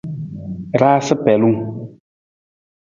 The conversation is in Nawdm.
Raasa pelung.